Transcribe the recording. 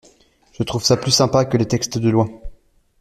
Je trouve ça plus sympa que les textes de lois.